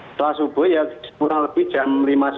setelah subuh ya kurang lebih jam lima lima belas